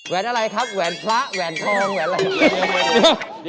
อะไรครับแหวนพระแหวนทองแหวนอะไร